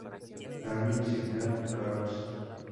Army Signal Corps.